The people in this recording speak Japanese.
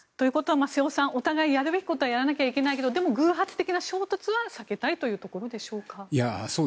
瀬尾さん、お互いやるべきことはやらないといけないけどでも、偶発的な衝突は避けたいというところでしょうか。